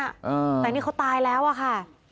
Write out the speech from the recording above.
อ่าแต่นี่เขาตายแล้วอะค่ะ